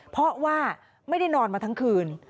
เพราะว่าไม่ได้นอนมาทั้งคืน